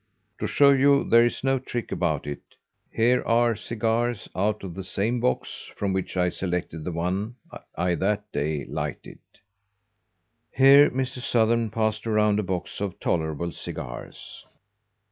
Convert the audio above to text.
To show you there is no trick about it, here are cigars out of the same box from which I selected the one I that day lighted." (Here Mr. Sothern passed around a box of tolerable cigars.)